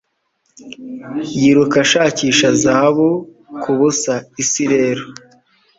yiruka ashakisha zahabu kubusa; isi rero